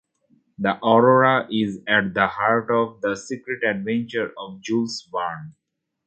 The Aurora is at the heart of The Secret Adventure of Jules Verne.